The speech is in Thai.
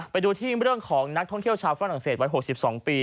ไปดูที่เรื่องของนักท่องเที่ยวชาวฝรั่งเศสวัย๖๒ปี